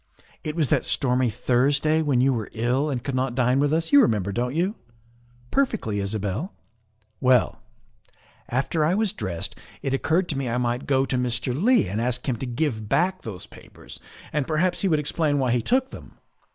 It was that stormy Thursday when you were ill and could not dine with us you remember, don't you?" "Perfectly, Isabel." ' Well, after I was dressed it occurred to me I might go to Mr. Leigh and ask him to give back those papers, and perhaps he would explain why he took them.